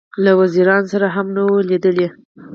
له وزیرانو سره هم نه وه لیدلې.